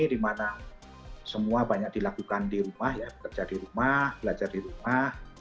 dimana semua banyak dilakukan di rumah ya bekerja di rumah belajar di rumah